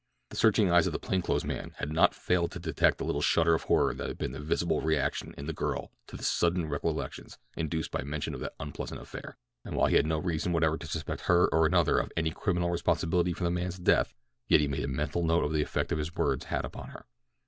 The searching eyes of the plain clothes man had not failed to detect the little shudder of horror that had been the visible reaction in the girl to the sudden recollections induced by mention of that unpleasant affair, and while he had no reason whatever to suspect her or another of any criminal responsibility for the man's death, yet he made a mental note of the effect his words had had upon her.